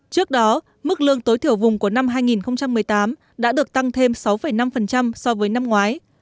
trước đó mức lương tối thiểu vùng của năm hai nghìn một mươi tám đã được tăng thêm sáu năm so với năm ngoái